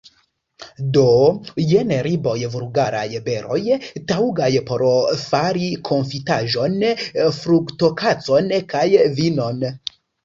Do, jen riboj, vulgaraj beroj, taŭgaj por fari konfitaĵon, fruktokaĉon kaj vinon.